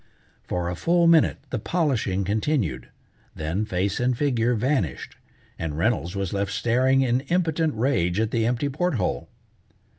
For a full minute the polishing continued, then face and figure vanished, and Reynolds was left staring in impotent rage at the empty port hole.